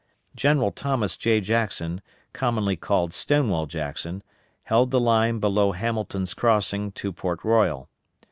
General Thomas J. Jackson, commonly called Stonewall Jackson, held the line below Hamilton's crossing to Port Royal.